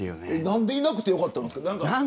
何でいなくてよかったんですか。